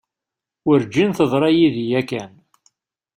Werǧin teḍra yid-i yakan.